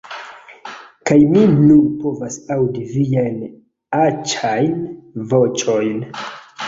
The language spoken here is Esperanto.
Kaj mi nur povas aŭdi viajn aĉajn voĉojn!